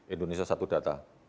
indonesia satu data